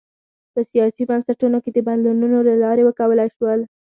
په سیاسي بنسټونو کې د بدلونونو له لارې وکولای شول.